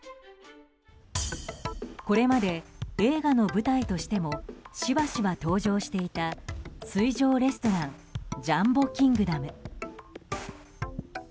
これまで映画の舞台としてもしばしば登場していた水上レストラン「ジャンボ・キングダム」。